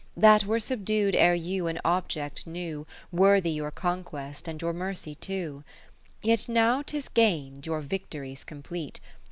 That were subdu'd ere you an Object knew Worthy your conquest and your mercy too ; Yet now 'tis gain'd, your victory 's complete.